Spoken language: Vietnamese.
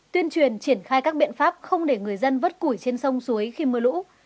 tuyên truyền triển khai các biện pháp không để người dân vớt củi trên sông suối khi mưa lũ